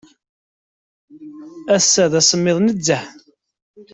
Ass-a d asemmiḍ nezzeh.